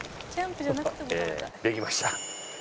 えーできました！